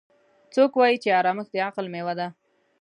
څوک وایي چې ارامښت د عقل میوه ده